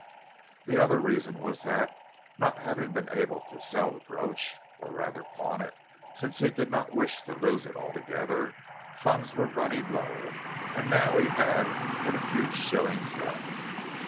The other reason was that, not having been able to sell the brooch, or rather pawn it since he did not wish to lose it altogether, funds were running low, and now he had but a few shillings left.